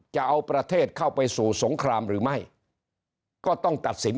จะเอาประเทศเข้าไปสู่สงครามหรือไม่ก็ต้องตัดสิน